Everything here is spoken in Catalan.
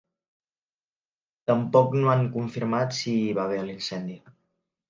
Tampoc no han confirmat si hi va haver l’incendi.